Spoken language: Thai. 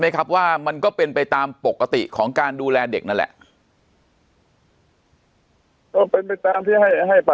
ไหมครับว่ามันก็เป็นไปตามปกติของการดูแลเด็กนั่นแหละ